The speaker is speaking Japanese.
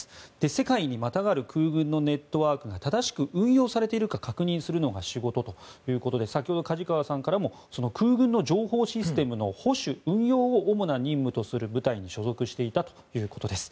世界にまたがる空軍のネットワークが正しく運用されているか確認するのが仕事ということで先ほど梶川さんからも空軍の情報システムの保守・運用を主な任務とする部隊に所属していたということです。